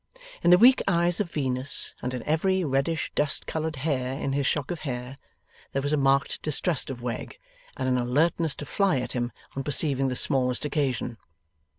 In the weak eyes of Venus, and in every reddish dust coloured hair in his shock of hair, there was a marked distrust of Wegg and an alertness to fly at him on perceiving the smallest occasion.